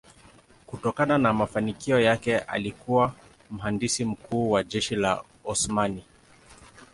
Kutokana na mafanikio yake alikuwa mhandisi mkuu wa jeshi la Osmani.